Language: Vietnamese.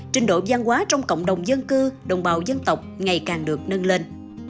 trình độ gian hóa trong cộng đồng dân cư đồng bào dân tộc ngày càng được nâng lên